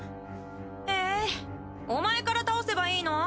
へぇお前から倒せばいいの？